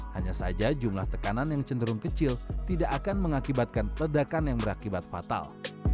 hanya saja jumlah tekanan yang cenderung kecil tidak akan mengakibatkan ledakan yang berakibat fatal